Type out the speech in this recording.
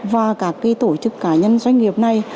và các tổ chức cá nhân doanh nghiệp này